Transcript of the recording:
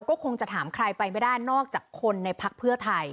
ก็คงจะถามใครไปไม่ได้นอกจากคนในพักเพื่อไทย